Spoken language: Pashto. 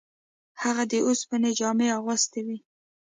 هغه د اوسپنې جامې اغوستې وې.